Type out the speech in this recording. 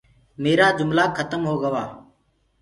ميرآ جُملآ کتم هو گوآ۔